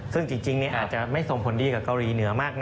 ซึ่งจริงอาจจะไม่ส่งผลดีกับเกาหลีเหนือมากนะ